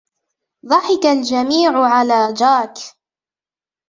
ضحك الجميع على جاك.